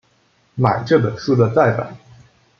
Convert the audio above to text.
买这本书的再版